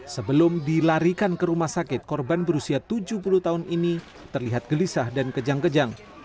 sebelum dilarikan ke rumah sakit korban berusia tujuh puluh tahun ini terlihat gelisah dan kejang kejang